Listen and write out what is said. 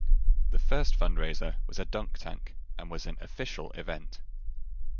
The first fundraiser was a dunk tank and was an "official" event.